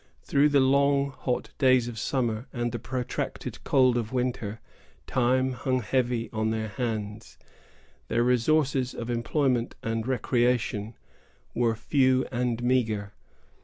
Through the long, hot days of summer, and the protracted cold of winter, time hung heavy on their hands. Their resources of employment and recreation were few and meagre.